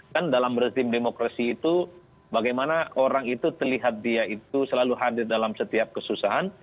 kan dalam rezim demokrasi itu bagaimana orang itu terlihat dia itu selalu hadir dalam setiap kesusahan